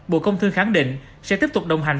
bộ công thương khẳng định sẽ tiếp tục đồng hành